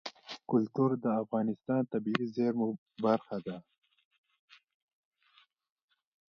کلتور د افغانستان د طبیعي زیرمو برخه ده.